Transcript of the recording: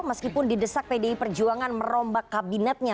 meskipun didesak pdi perjuangan merombak kabinetnya